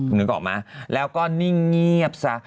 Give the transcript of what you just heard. เหนื่องออกมาแล้วก็นิ่งเงียบซะ